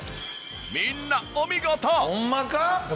みんなお見事！